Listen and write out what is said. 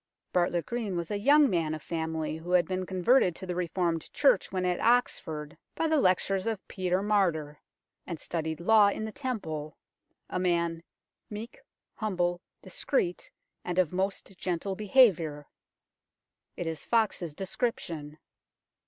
Bartlet Green was a young man of family who had been converted to the Reformed Church when at Oxford by the 184 UNKNOWN LONDON lectures of Peter Martyr, and studied law in the Temple, a man " meek, humble, discreet, and of most gentle behaviour " it is Foxe's description.